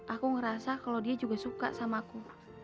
aku ngerasa kalau dia juga suka sama aku